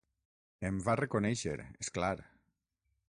Em va reconèixer, és clar